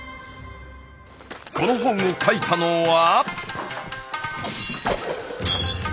この本を書いたのは。